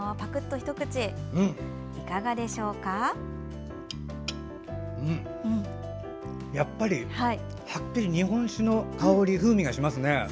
うん、やっぱりはっきり日本酒の香り風味がしますね。